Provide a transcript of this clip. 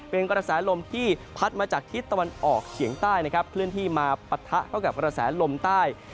เป็นกระแสลมที่พัดมาจากทิศตะวันออกเฉียงใต้นะครับเคลื่อนที่มาปะทะเข้ากับกระแสลมใต้